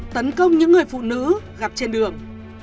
tấn công những người phụ nữ gặp trên đường